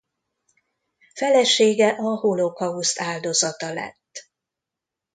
Felesége a holokauszt áldozata lett.